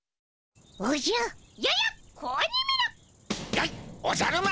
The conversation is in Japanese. やいおじゃる丸！